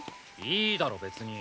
いいだろ別に。